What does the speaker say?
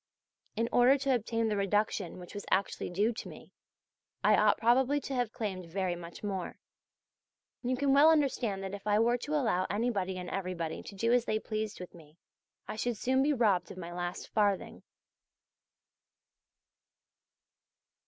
In order to obtain the reduction which was actually due to me I ought probably to have claimed very much more. You can well understand that if I were to allow anybody and everybody to do as they pleased with me, I should soon be robbed of my last farthing.